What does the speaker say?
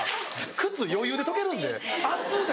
靴余裕で溶けるんで「熱っ」じゃないです。